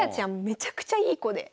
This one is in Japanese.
めちゃくちゃいい子で。